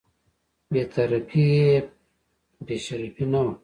بې طرفي یې بې شرفي نه وه.